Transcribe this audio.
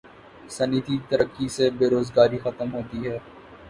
صنعتی ترقی سے بے روزگاری ختم ہوتی ہے